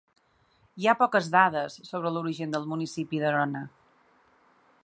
Hi ha poques dades sobre l'origen del municipi d'Arona.